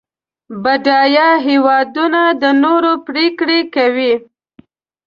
بډایه هېوادونه د نورو پرېکړې کوي.